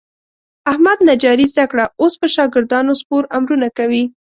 احمد نجاري زده کړه. اوس په شاګردانو سپور امرونه کوي.